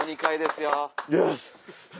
よし。